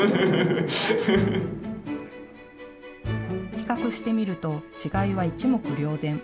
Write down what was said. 比較してみると違いは一目瞭然。